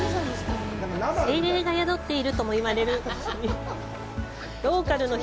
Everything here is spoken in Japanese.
精霊が宿っているともいわれるこの岩。